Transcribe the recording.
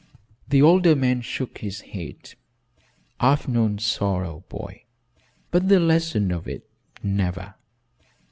The older man shook his head. "I've known sorrow, boy, but the lesson of it, never.